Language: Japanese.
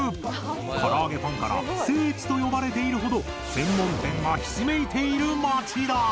から揚げファンから「聖地」と呼ばれているほど専門店がひしめいている町だ！